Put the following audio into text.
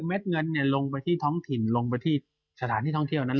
เม็ดเงินลงไปที่ท้องถิ่นลงไปที่สถานที่ท่องเที่ยวนั้น